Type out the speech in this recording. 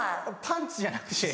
パンツじゃなくて。